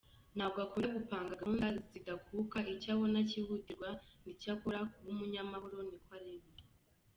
Ntabwo akunda gupanga gahunda zidakuka icyo abona cyihutirwa nicyo akora, kuba umunyamahoro niko aremye.